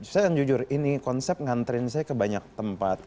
saya yang jujur ini konsep nganterin saya ke banyak tempat